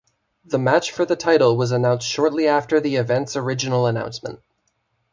The match for the title was announced shortly after the events original announcement.